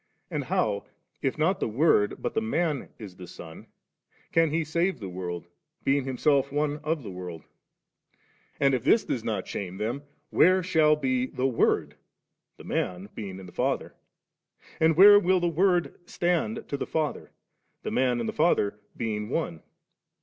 And how, if not the Word but the Man is the Son, can He save the world, being Himself one of the world ? And if this does not shame them, where shall be the Word, the Man being in the Father ? And where will the Word stand to the Father, the Man and the Father being One